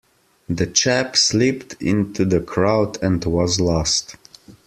The chap slipped into the crowd and was lost.